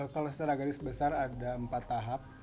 kalau secara garis besar ada empat tahap